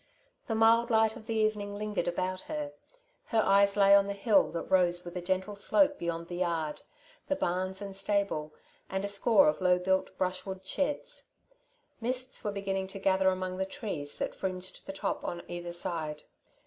The mild light of the evening lingered about her. Her eyes lay on the hill that rose with a gentle slope beyond the yard, the barns and stable, and a score of low built brushwood sheds. Mists were beginning to gather among the trees that fringed the top on either side.